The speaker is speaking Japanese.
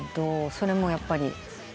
それもやっぱり？